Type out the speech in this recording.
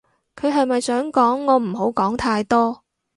佢係咪想講我唔好講太多